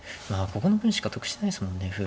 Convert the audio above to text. ここの分しか得してないですもんね歩。